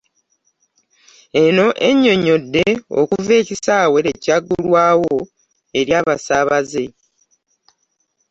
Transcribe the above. Eno ennyonnyodde okuva ekisaawe lwe kyaggulwawo eri abasaabaze